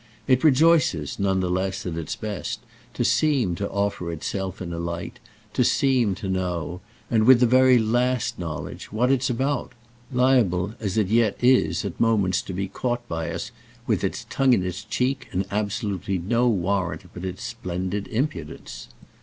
It rejoices, none the less, at its best, to seem to offer itself in a light, to seem to know, and with the very last knowledge, what it's about—liable as it yet is at moments to be caught by us with its tongue in its cheek and absolutely no warrant but its splendid impudence.